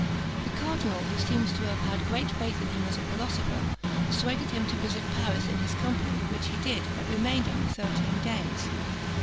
The cardinal, who seems to have had great faith in him as a philosopher, persuaded him to visit Paris in his company, which he did, but remained only thirteen days.